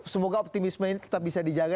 semoga optimisme ini tetap bisa dijaga